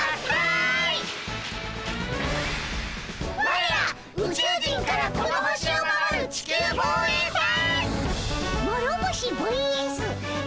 ワレら宇宙人からこの星を守る地球防衛隊！